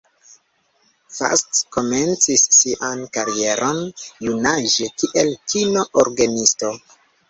Fats komencis sian karieron junaĝe kiel kino-orgenisto.